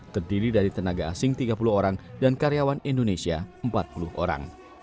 terdiri dari tenaga asing tiga puluh orang dan karyawan indonesia empat puluh orang